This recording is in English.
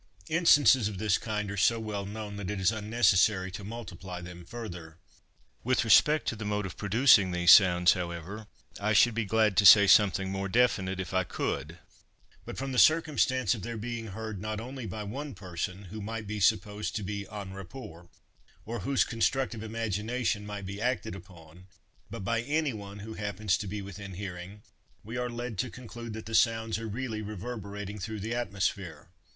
Instances of this kind are so well known that it is unnecessary to multiply them further. With respect to the mode of producing these sounds, however, I should be glad to say something more definite if I could; but, from the circumstance of their being heard not only by one person, who might be supposed to be en rapport, or whose constructive imagination might be acted upon, but by any one who happens to be within hearing, we are led to conclude that the sounds are really reverberating through the atmosphere.